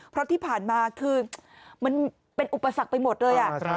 เพราะที่ผ่านมาคือมันเป็นอุปสรรคไปหมดเลย